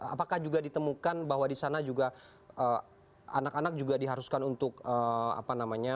apakah juga ditemukan bahwa di sana juga anak anak juga diharuskan untuk apa namanya